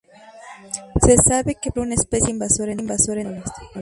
Se sabe que puede ser una especie invasora en algunas zonas.